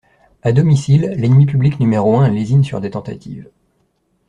À domicile, l'ennemi public numéro un lésine sur des tentatives.